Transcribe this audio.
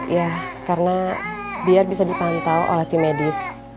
ya karena biar bisa dipantau oleh tim medis